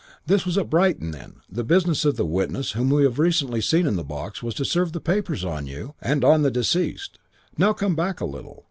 This was at Brighton, then. The business of the witness whom we have recently seen in the box was to serve the papers on you and on the deceased. Now come back a little.